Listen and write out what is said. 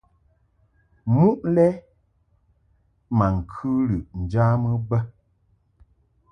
Muʼ lɛ ma ŋkɨ lɨʼ njamɨ bə.